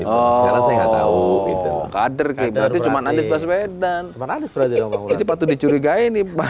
oh kader gitu berarti cuma anies baswedan cuma anies berarti dong pak mulan ini patut dicurigai nih pak